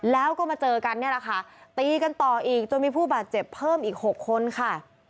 แล้วก็มาเจอกันเนี่ยแหละค่ะตีกันต่ออีกจนมีผู้บาดเจ็บเพิ่มอีก๖คนค่ะ